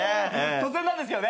突然なんですけどね。